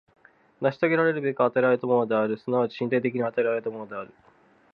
成し遂げらるべく与えられたものである、即ち身体的に与えられたものである。